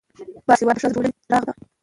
با سواده ښځه دټولنې څراغ ده